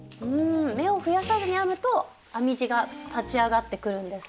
目を増やさずに編むと編み地が立ち上がってくるんですね。